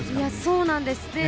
そうなんです。